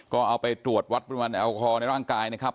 ก็เอาไปตรวจวัดปริมาณแอลกอฮอลในร่างกายนะครับ